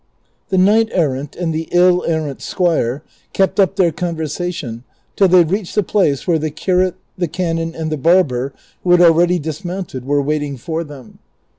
The knight errant and the ill errant squire kept up their conversation till they reached the place where the curate, the canon, and the barber, who had already dismounted, were Avait ing for them.